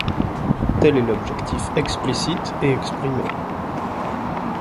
Tel est l'objectif explicite et exprimé.